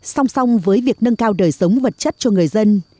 song song với việc nâng cao đời sống vật chất cho người dân